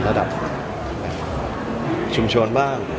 จะเป็นรบระดับชุมชนบ้าง